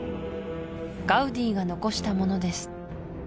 ガウディがのこしたものです